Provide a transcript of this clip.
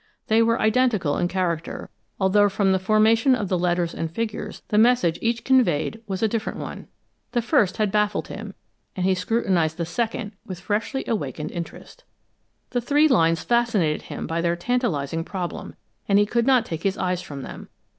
They were identical in character, although from the formation of the letters and figures, the message each conveyed was a different one. The first had baffled him, and he scrutinized the second with freshly awakened interest: [Illustration: An image of a coded message is shown here in the text.] The three lines fascinated him by their tantalizing problem, and he could not take his eyes from them.